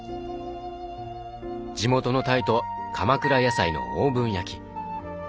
地元のタイと鎌倉野菜のオーブン焼き。